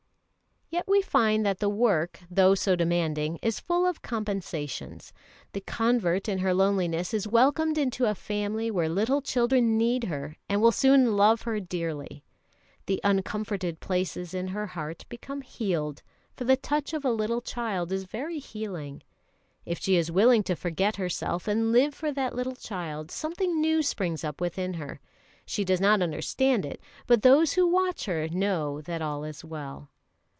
Yet we find that the work, though so demanding, is full of compensations. The convert in her loneliness is welcomed into a family where little children need her and will soon love her dearly. The uncomforted places in her heart become healed, for the touch of a little child is very healing. If she is willing to forget herself and live for that little child, something new springs up within her; she does not understand it, but those who watch her know that all is well.